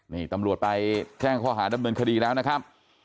นี่ตำรวจไปแจ้งข้อหาดำเนินคดีแล้วนะครับ